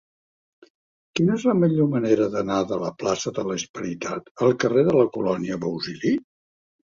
Quina és la millor manera d'anar de la plaça de la Hispanitat al carrer de la Colònia Bausili?